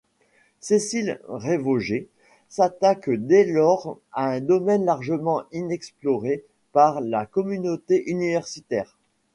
Cécile Révauger, s’attache dès lors à un domaine largement inexploré par la communauté universitaire.